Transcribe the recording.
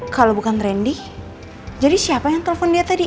kalau bukan rendy jadi siapa yang telepon dia tadi